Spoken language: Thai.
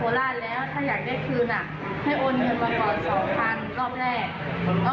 พอมาอีกวันหนึ่งบอกพ่อว่าต้องโอนมานะก็เป็น๓๕๐๐บาทแล้วค่ะ